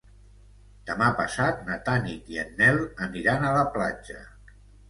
Demà passat na Tanit i en Nel aniran a la platja.